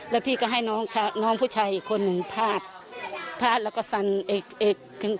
แล้วพี่ก็ให้น้องผู้ชายอีกคนหนึ่งพาดพาดแล้วก็สั่นเอกถึง